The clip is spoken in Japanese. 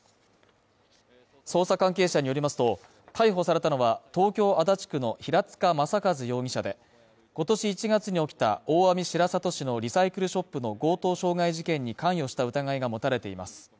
捜査関係者によりますと、逮捕されたのは、東京足立区の平塚雅一容疑者で今年１月に起きた大網白里市のリサイクルショップの強盗傷害事件に関与した疑いが持たれています。